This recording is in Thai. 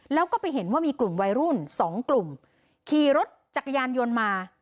แล้วก็ไปเห็นว่ามีกลุ่มวัยรุ่นสองกลุ่มขี่รถจักรยานยนต์มา